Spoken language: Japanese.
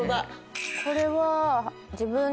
これは。